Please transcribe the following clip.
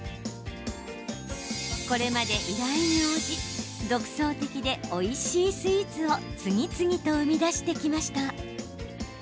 これまで依頼に応じ独創的でおいしいスイーツを次々と生み出してきました。